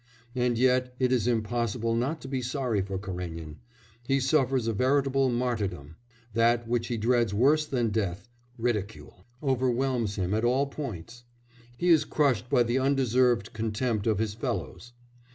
And yet it is impossible not to be sorry for Karénin; he suffers a veritable martyrdom; that which he dreads worse than death ridicule overwhelms him at all points; he is crushed by the undeserved contempt of his fellows.